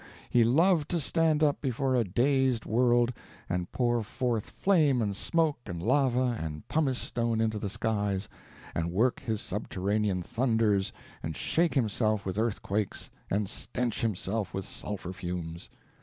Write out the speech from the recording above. He loved to stand up before a dazed world, and pour forth flame and smoke and lava and pumice stone into the skies, and work his subterranean thunders, and shake himself with earthquakes, and stench himself with sulphur fumes.